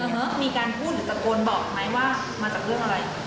เนอะมีการพูดหรือตะโกนบอกไหมว่ามาจากเรื่องอะไร